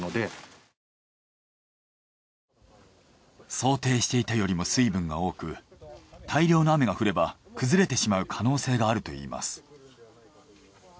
想定していたよりも水分が多く大量の雨が降れば崩れてしまう可能性があるといいます。